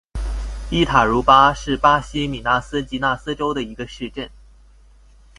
伊塔茹巴是巴西米纳斯吉拉斯州的一个市镇。